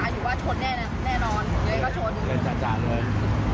อยู่ไว้ซ้ายถือว่าชนแน่นอน